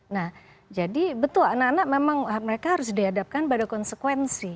nah jadi betul anak anak memang mereka harus dihadapkan pada konsekuensi